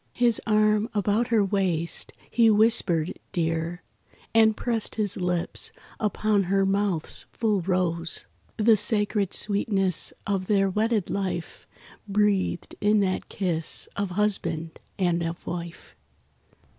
His arm about her waist, he whispered "Dear," And pressed his lips upon her mouth's full rose— The sacred sweetness of their wedded life Breathed in that kiss of husband and of wife.